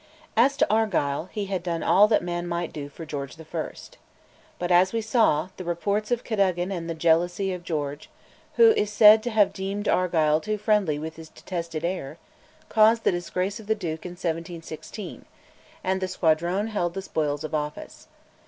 As to Argyll, he had done all that man might do for George I. But, as we saw, the reports of Cadogan and the jealousy of George (who is said to have deemed Argyll too friendly with his detested heir) caused the disgrace of the Duke in 1716, and the Squadrone held the spoils of office.